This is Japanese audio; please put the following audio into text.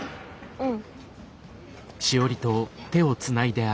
うん。